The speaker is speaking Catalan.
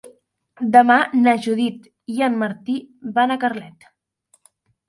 Demà na Judit i en Martí van a Carlet.